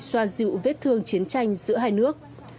xoa dự vết thương chiến tranh giữa hai nước